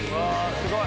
すごい。